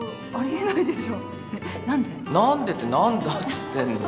何でって何だっつってんの。